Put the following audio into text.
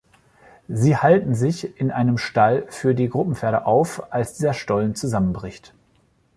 Sie halten sich in einem Stall für die Grubenpferde auf, als dieser Stollen zusammenbricht.